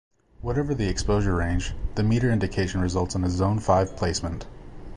Whatever the exposure range, the meter indication results in a Zone Five placement.